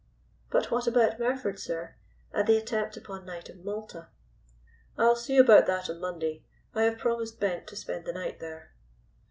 "But what about Merford, sir, and the attempt upon Knight of Malta?" "I'll see about that on Monday. I have promised Bent to spend the night there."